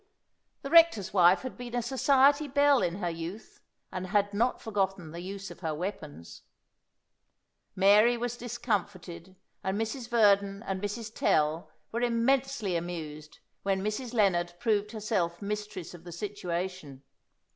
The rector's wife had been a society belle in her youth, and had not forgotten the use of her weapons. Mary was discomfited, and Mrs. Verdon and Mrs. Tell were immensely amused when Mrs. Lennard proved herself mistress of the situation.